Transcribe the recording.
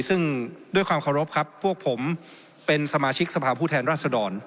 ซึ่งด้วยความเคารพครับพวกผมเป็นสมาชิกสภาพผู้แทนราชดร